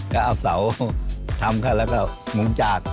ก็เอาเสาทำเข้าแล้วก็มุงจาก